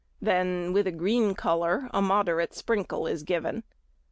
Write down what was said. Then with a green colour a moderate |68| sprinkle is given.